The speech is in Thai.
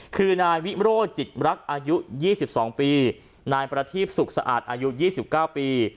คือนายวิโรธจิตรักอายุ๒๒ปีนายประทีปสุขสะอาดอายุ๒๙ปี